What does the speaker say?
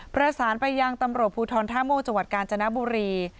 ประสานไปยังตำรวจภูทรท่าม่วงจังหวัดกาญจนบุรี